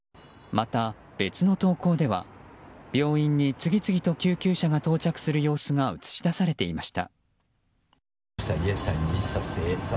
また、別の投稿では病院に次々と救急車が到着する様子が映し出されていました。